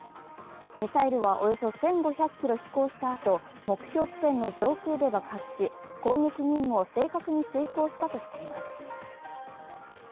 ミサイルはおよそ１５００ｋｍ飛行したあと、目標地点の上空で爆発し、攻撃任務を正確に遂行したとしています。